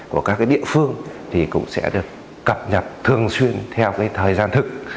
của các địa phương thì cũng sẽ được cập nhật thường xuyên theo thời gian thực